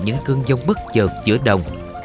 những cơn giông bất chợt giữa đồng